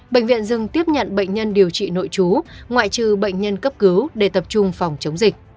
bệnh viện dừng tiếp nhận bệnh nhân điều trị nội chú ngoại trừ bệnh nhân cấp cứu để tập trung phòng chống dịch